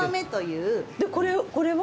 でこれは？